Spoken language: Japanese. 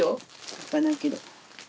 泣かないけど。